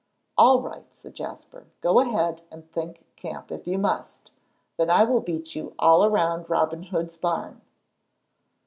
"All right," said Jasper, "go ahead and think camp, if you must. Then I will beat you all around Robin Hood's barn."